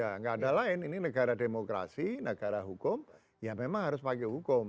ya nggak ada lain ini negara demokrasi negara hukum ya memang harus pakai hukum